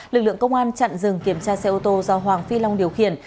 lực lượng công an chặn rừng kiểm tra xe ô tô do hoàng phi long điều khiển